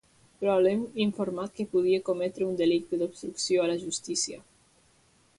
Però l'hem informat que podia cometre un delicte d'obstrucció a la justícia.